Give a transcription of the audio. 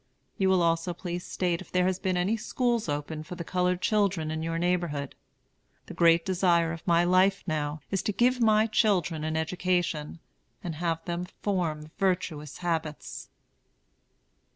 You will also please state if there has been any schools opened for the colored children in your neighborhood. The great desire of my life now is to give my children an education, and have them form virtuous habits.